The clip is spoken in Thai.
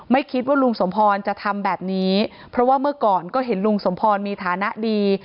ไม่คิดว่าลุงสมพรจะทำแบบนี้เพราะว่าเมื่อก่อนก็เห็นลุงสมพรมีฐานะดี